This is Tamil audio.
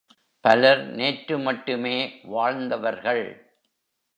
பலர் நேற்று மட்டுமே வாழ்ந்தவர்கள்.